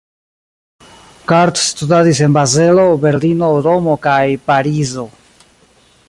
Cart studadis en Bazelo, Berlino, Romo kaj Parizo.